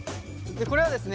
これはですね